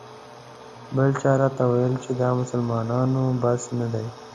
بل چا راته وویل چې دا د مسلمانانو بس نه دی.